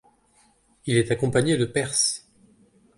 Il est accompagné de Perses.